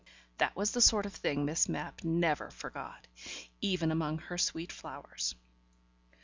That was the sort of thing Miss Mapp never forgot. Even among her sweet flowers.